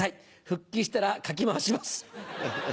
復帰したらかきまわします。